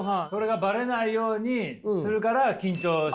それがバレないようにするから緊張。